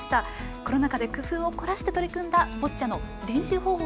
コロナ禍で工夫を凝らして取り組んだボッチャの練習方法